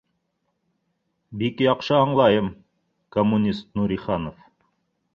— Бик яҡшы аңлайым, коммунист Нуриханов